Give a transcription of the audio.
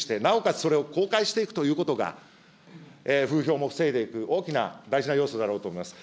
それを公開していくということが、風評も防いでいく大きな大事な要素だろうと思います。